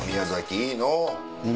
いいのぅ！